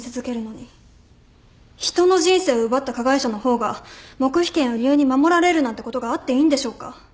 人の人生を奪った加害者の方が黙秘権を理由に守られるなんてことがあっていいんでしょうか。